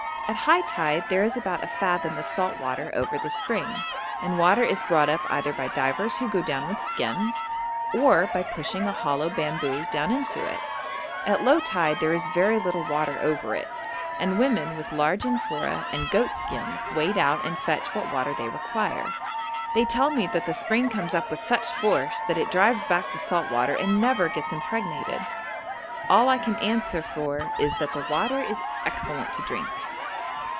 At high tide there is about a fathom of salt water over the spring, and water is brought up either by divers who go down with skins, or by pushing a hollow bamboo down into it. At low tide there is very little water over it, and women with large amphora and goat skins wade out and fetch what water they require; they tell me that the spring comes up with such force that it drives back the salt water and never gets impregnated. All I can answer for is that the water is excellent to drink.